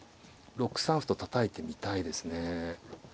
６三歩とたたいてみたいですね。